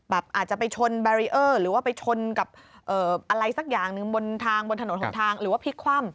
อาจจะไปชนแบรีเออร์หรือว่าไปชนกับอะไรสักอย่างหนึ่งบนทางบนถนนหนทางหรือว่าพลิกคว่ำ